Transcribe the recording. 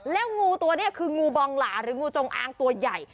แล้วงูตัวนี้คืองูบองหลาหรืองูจงอางตัวใหญ่